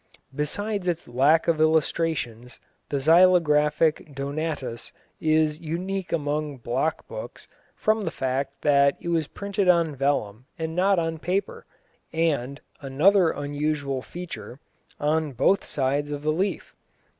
Besides its lack of illustrations, the xylographic Donatus is unique among block books from the fact that it was printed on vellum and not on paper, and (another unusual feature) on both sides of the leaf.